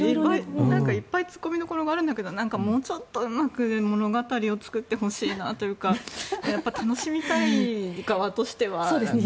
いっぱい突っ込みどころがあるんだけどもうちょっとうまく物語を作ってほしいなというかやっぱり楽しみたい側としてはなんか。